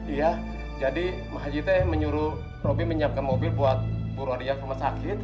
iya jadi maha jitai menyuruh robi menyiapkan mobil buat burung adia rumah sakit